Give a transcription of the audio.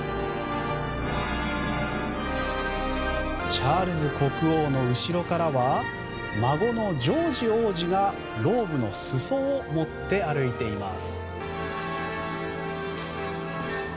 チャールズ国王の後ろからは孫のジョージ王子がローブの裾を持って歩いています。